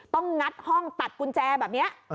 งัดห้องตัดกุญแจแบบนี้